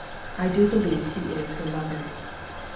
I do believe he is her lover."